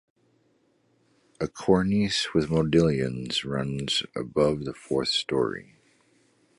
A cornice with modillions runs above the fourth story.